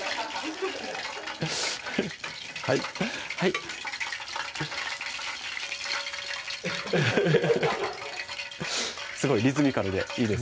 はいはいすごいリズミカルでいいですね